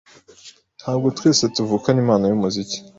Ntabwo twese tuvukana impano yumuziki.